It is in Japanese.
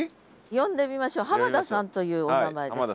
呼んでみましょう濱田さんというお名前です。